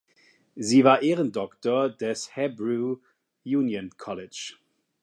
Sie war Ehrendoktor des Hebrew Union College.